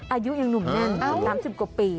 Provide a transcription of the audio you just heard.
อายุยังหนุ่มแน่น๓๐กว่าปี